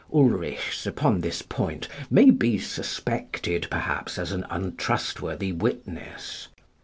Ulrichs, upon this point, may be suspected, perhaps, as an untrustworthy witness.